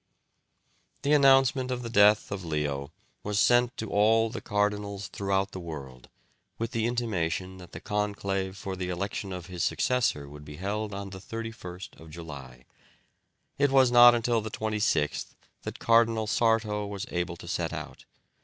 The announcement of the death of Leo was sent to all the cardinals throughout the world, with the intimation that the conclave for the election of his successor would be held on the 31st of July. It was not until the 26th that Cardinal Sarto was able to set out.